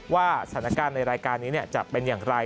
ว่าสถานการณ์ในรายการนี้จะเป็นอย่างไร